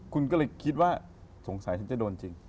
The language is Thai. คุณก็เลยคิดว่าสงสัยฉันจะโดนจริง